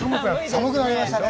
寒くなりましたね。